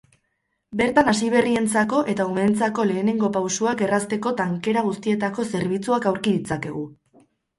Bertan hasiberrientzako eta umeentzako lehenengo pausuak errazteko tankera guztietako zerbitzuak aurki ditzakegu.